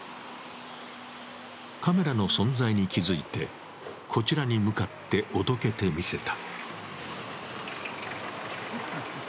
カメラの存在に気付いてこちらに向かっておどけて見せた。